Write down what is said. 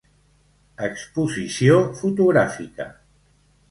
Exposició fotogràfica.